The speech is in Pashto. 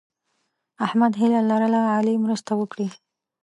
احمد هیله لرله علي مرسته وکړي.